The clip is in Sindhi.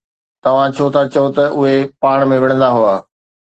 توهان ڇو ٿا چئو ته اهي پاڻ ۾ وڙهندا هئا؟